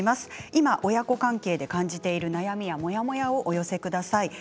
今、親子関係で感じている悩みやモヤモヤをお寄せください。